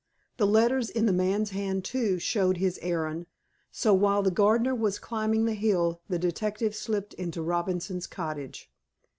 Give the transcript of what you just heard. The letters in the man's hand, too, showed his errand, so, while the gardener was climbing the hill, the detective slipped into Robinson's cottage.